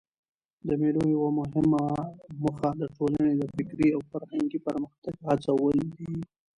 د مېلو یوه مهمه موخه د ټولني د فکري او فرهنګي پرمختګ هڅول دي.